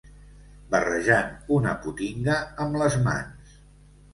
Barrejant una potinga amb les mans